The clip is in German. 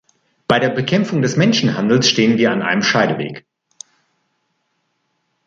Bei der Bekämpfung des Menschhandels stehen wir an einem Scheideweg.